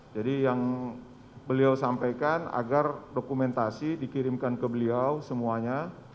jadi yang beliau sampaikan agar dokumentasi dikirimkan ke beliau semuanya